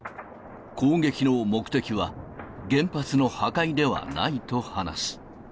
攻撃の目的は、原発の破壊ではないと話す。